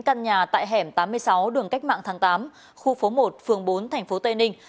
căn nhà tại hẻm tám mươi sáu đường cách mạng tháng tám khu phố một phường bốn thành phố tây ninh